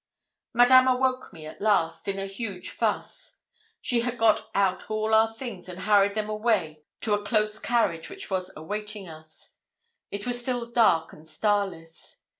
Madame awoke me at last, in a huge fuss. She had got out all our things and hurried them away to a close carriage which was awaiting us. It was still dark and starless.